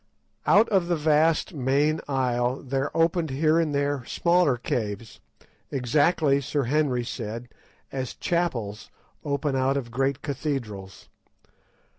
Out of the vast main aisle there opened here and there smaller caves, exactly, Sir Henry said, as chapels open out of great cathedrals.